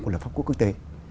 của lập pháp quốc tế